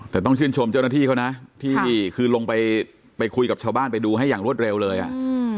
แต่ต้องชื่นชมเจ้าหน้าที่เขานะที่คือลงไปไปคุยกับชาวบ้านไปดูให้อย่างรวดเร็วเลยอ่ะอืม